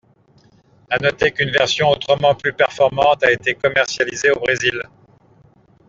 À noter qu'une version autrement plus performante a été commercialisée au Brésil.